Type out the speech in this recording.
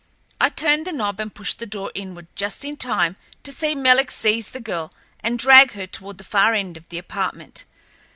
I turned the knob and pushed the door inward just in time to see Menelek seize the girl and drag her toward the far end of the apartment.